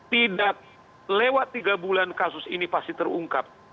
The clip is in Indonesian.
tidak lewat tiga bulan kasus ini pasti terungkap